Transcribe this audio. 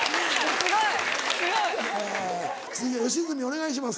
すごい！続いては吉住お願いします。